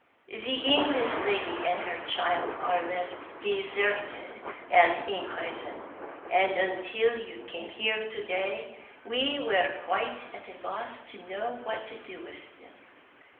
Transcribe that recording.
The English lady and her child are left deserted at Enkhuizen; and until you came here to day we were quite at a loss to know what to do with them.